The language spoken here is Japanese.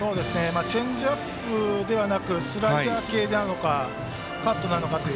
チェンジアップではなくスライダー系なのかカットなのかという。